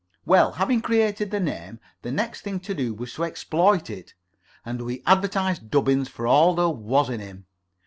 Well, having created the name, the next thing to do was to exploit it, and we advertised Dubbins for all there was in him.